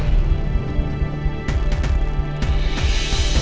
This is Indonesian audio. tidak ada yang bisa dipercaya